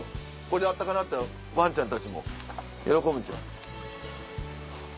これで暖かなったらワンちゃんたちも喜ぶんちゃう？